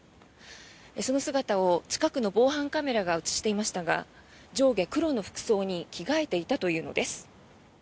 その姿を近くの防犯カメラが映していましたが上下黒の服装に着替えていたというのです。